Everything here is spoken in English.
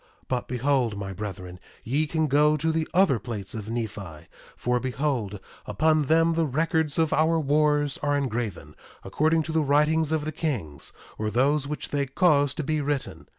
But behold, my brethren, ye can go to the other plates of Nephi; for behold, upon them the records of our wars are engraven, according to the writings of the kings, or those which they caused to be written.